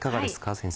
先生。